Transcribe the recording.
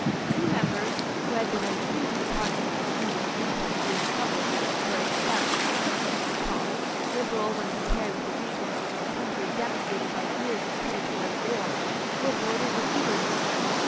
Two members, who had been untrue to the Protestant and English interest during the troubles, were expelled. Supplies, liberal when compared with the resources of a country devastated by years of predatory war, were voted with eagerness.